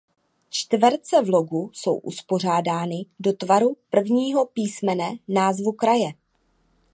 Čtverce v logu jsou uspořádány do tvaru prvního písmene názvu kraje.